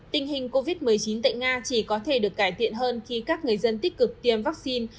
tình hình covid một mươi chín tại nga chỉ có thể được cải thiện hơn khi các người dân tích cực tiêm vaccine